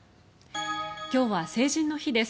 今日は成人の日です。